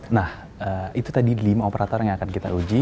nah itu tadi lima operator yang akan kita uji